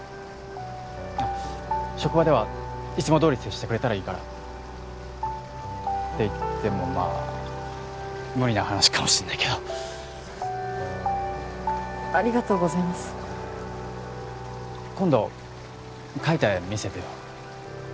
職場ではいつもどおり接してくれたらいいからって言ってもまあ無理な話かもしれないけどありがとうございます今度描いた絵見せてよ